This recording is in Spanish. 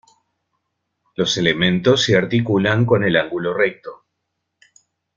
Los elementos se articulan con el ángulo recto.